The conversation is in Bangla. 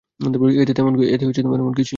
এতে এমন কিছুই নেই।